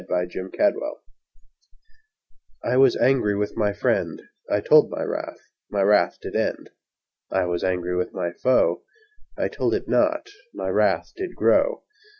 A POISON TREE I was angry with my friend: I told my wrath, my wrath did end. I was angry with my foe: I told it not, my wrath did grow.